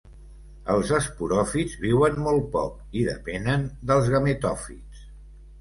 Els esporòfits viuen molt poc i depenen dels gametòfits.